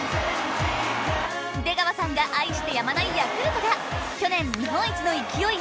出川さんが愛してやまないヤクルトが去年日本一の勢い